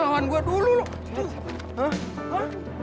lu lawan gua dulu lu